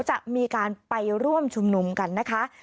จะมีการไปร่วมชุมนุมกันนะคะ